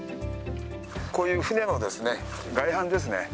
こういう船の外板ですね。